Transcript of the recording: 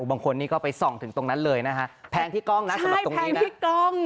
บางคนนี่ก็ไปส่องถึงตรงนั้นเลยนะฮะแพงที่กล้องนะใช่แพงที่กล้องแม่